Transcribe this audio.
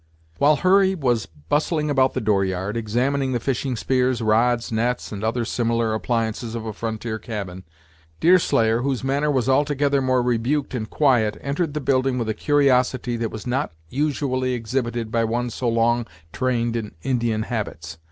While Hurry was bustling about the "door yard," examining the fishing spears, rods, nets, and other similar appliances of a frontier cabin, Deerslayer, whose manner was altogether more rebuked and quiet, entered the building with a curiosity that was not usually exhibited by one so long trained in Indian habits.